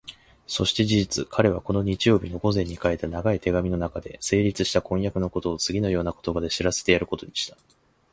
そして事実、彼はこの日曜日の午前に書いた長い手紙のなかで、成立した婚約のことをつぎのような言葉で知らせてやることにした。